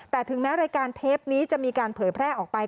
แต่ถึงแม้รายการเทปนี้จะมีการเผยแพร่ออกไป